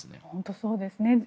本当にそうですね。